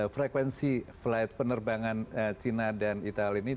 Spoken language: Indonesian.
frekuensi flight penerbangan china dan itali ini